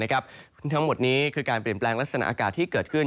ทั้งหมดนี้คือการเปลี่ยนแปลงลักษณะอากาศที่เกิดขึ้น